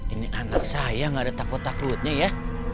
ini anak saya gak ada takut takutnya ya